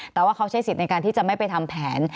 แต่ว่าเขาใช้สิทธิ์ในการที่จะไม่ไปทำแผน